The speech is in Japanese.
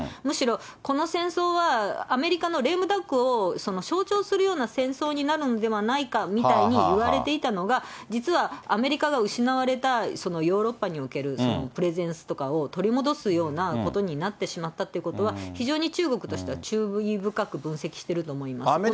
むしろこの戦争は、アメリカのレームダックを象徴するような戦争になるんではないかみたいにいわれていたのが、実はアメリカが失われたヨーロッパにおけるプレゼンスとかを取り戻すようなことになってしまったということは、非常に中国としては注意深く分析していると思います。